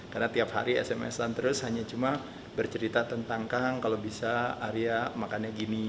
karena tiap hari sms an terus hanya cuma bercerita tentang kang kalau bisa arya makannya gini